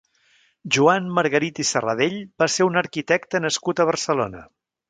Joan Margarit i Serradell va ser un arquitecte nascut a Barcelona.